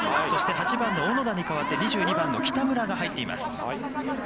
そして８番の小野田に代わって、２２番の北村が入っています。